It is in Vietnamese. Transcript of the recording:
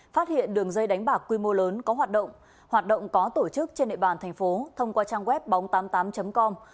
phát hiện đường dây đánh bạc quy mô lớn có hoạt động hoạt động có tổ chức trên địa bàn thành phố thông qua trang web bóng tám mươi tám com